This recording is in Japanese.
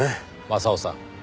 雅夫さん